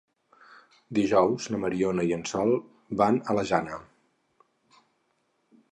Dijous na Mariona i en Sol van a la Jana.